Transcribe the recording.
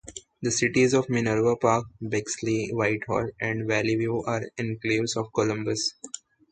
The cities of Minerva Park, Bexley, Whitehall and Valleyview are enclaves of Columbus.